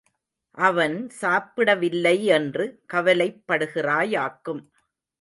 அவன் சாப்பிடவில்லை என்று கவலைப்படுகிறாயாக்கும்.